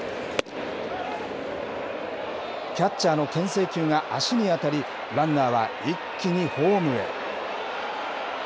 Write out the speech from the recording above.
キャッチャーのけん制球が足に当たり、ランナーは一気にホームへ。